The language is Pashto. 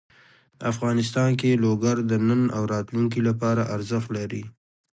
افغانستان کې لوگر د نن او راتلونکي لپاره ارزښت لري.